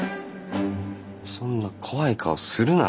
そんな怖い顔するな。